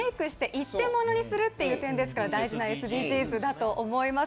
一点ものにするということですから、大事なＳＤＧｓだと思います。